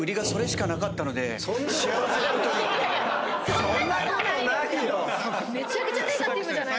そんなことないですよ！